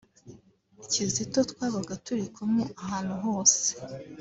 Kizito twabaga turi kumwe ahantu hose